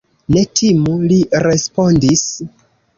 Ne timu, li respondis.